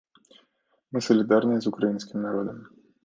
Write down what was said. Мы салідарныя з украінскім народам!